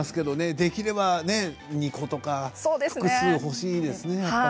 できれば２個とか複数欲しいです